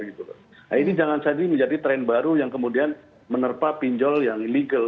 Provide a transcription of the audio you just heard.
nah ini jangan jadi menjadi tren baru yang kemudian menerpa pinjol yang legal